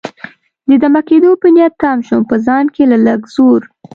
دمه کېدو په نیت تم شوم، په ځان کې له لږ زور.